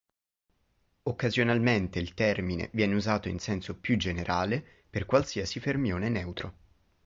Occasionalmente il termine viene usato in senso più generale per qualsiasi fermione neutro.